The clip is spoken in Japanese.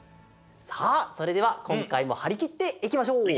さあそれではこんかいもはりきっていきましょう！